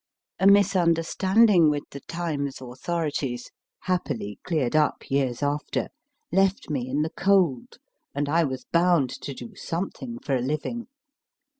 A misunderstand ing with the Times authori o ties happily cleared up years after left me in the cold, and I was bound to do something for a living.